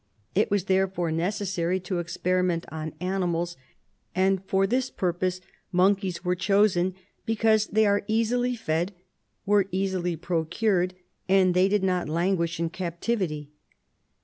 It was therefore neces sary to experiment on animals, and for this purpose monkeys were chosen, because they are easily fed, were easilj'' pro cured, and they do not languish in captivity.